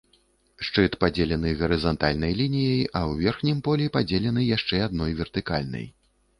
Шчыт падзелены гарызантальнай лініяй, а ў верхнім полі падзелены яшчэ адной вертыкальнай.